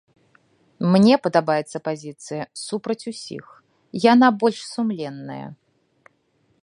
Мне падабаецца пазіцыя супраць усіх, яна больш сумленная.